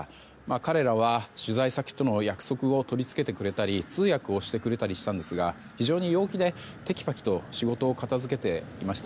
彼らは、取材先との約束を取り付けてくれたり通訳をしてくれたりしたんですが非常に陽気で、てきぱきと仕事を片付けていました。